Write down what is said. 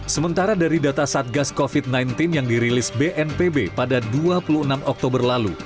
sementara dari data satgas covid sembilan belas yang dirilis bnpb pada dua puluh enam oktober lalu